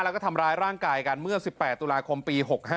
แล้วก็ทำร้ายร่างกายกันเมื่อ๑๘ตุลาคมปี๖๕